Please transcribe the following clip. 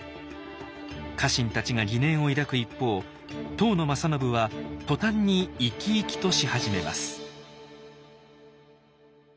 家臣たちが疑念を抱く一方当の正信は途端に生き生きとし始めます。